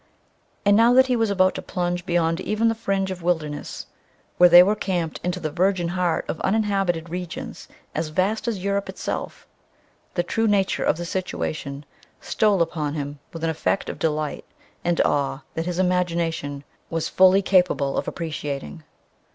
And now that he was about to plunge beyond even the fringe of wilderness where they were camped into the virgin heart of uninhabited regions as vast as Europe itself, the true nature of the situation stole upon him with an effect of delight and awe that his imagination was fully capable of appreciating.